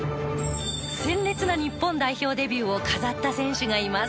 鮮烈な日本代表デビューを飾った選手がいます。